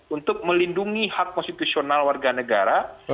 untuk melindungi hak konstitusional warga negara